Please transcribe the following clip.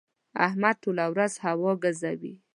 احمد ټوله ورځ هوا ګزوي.